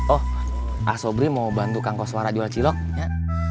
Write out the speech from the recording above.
oh asobri mau bantu kang koswara jual cilok ya